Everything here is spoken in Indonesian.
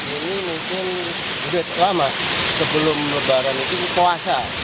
ini mungkin sudah lama sebelum lebaran itu puasa